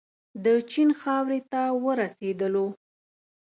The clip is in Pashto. د چین خاورې ته ورسېدلو.